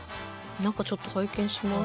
中ちょっと拝見します。